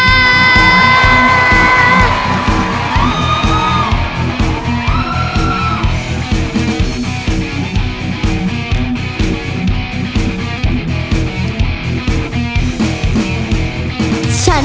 ชีวิตมันคิดถึงว่าน้อยอะไรได้มาก็ยังไม่ค่อยเพราะเจ้าเอง